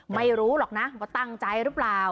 ไม่รู้หรอกนะว่าตั้งใจหรือเปล่า